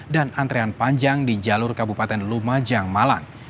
dan antrean panjang di jalur kebupaten lumajang malang